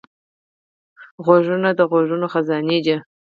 غوږونه د غږونو خزانې دي